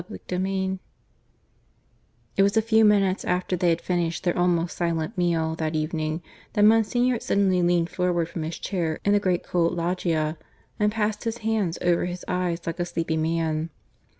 CHAPTER VI (I) It was a few minutes after they had finished their almost silent meal that evening, that Monsignor suddenly leaned forward from his chair in the great cool loggia and passed his hands over his eyes like a sleepy man.